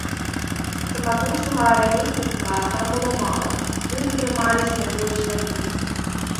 Саматужнага рамесніцтва там было мала, людзі трымаліся найбольш зямлі.